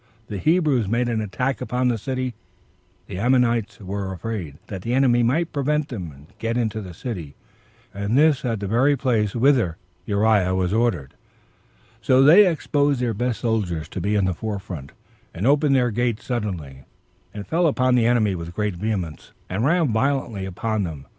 When, therefore, the Hebrews made an attack upon the city, the Ammonites were afraid that the enemy might prevent them, and get up into the city, and this at the very place whither Uriah was ordered; so they exposed their best soldiers to be in the forefront, and opened their gates suddenly, and fell upon the enemy with great vehemence, and ran violently upon them.